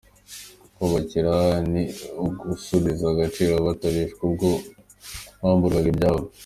Kububakira ni ukubasubiza agaciro bateshejwe ubwo bamburwaga ibyabo.